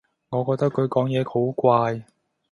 我覺得佢講嘢好怪